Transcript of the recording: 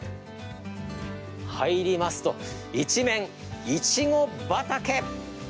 入りますと一面イチゴ畑。